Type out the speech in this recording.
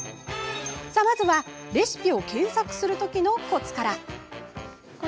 まずは、レシピを検索するときのコツから。